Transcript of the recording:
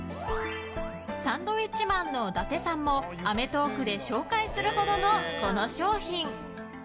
サンドウィッチマンの伊達さんも「アメトーーク！」で紹介するほどのこの商品。